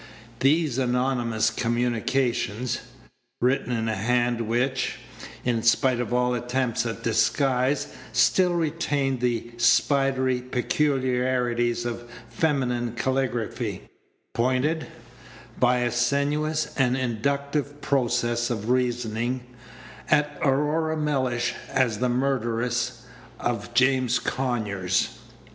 These anonymous communications written in a hand which, in spite of all attempt at disguise, still retained the spidery peculiarities of feminine calligraphy pointed, by a sinuous and inductive process of reasoning, at Aurora Mellish as the murderess of James Conyers.